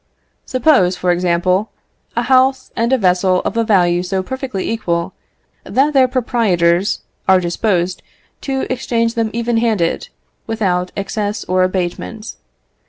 Suppose, for example, a house and a vessel of a value so perfectly equal that their proprietors are disposed to exchange them even handed, without excess or abatement.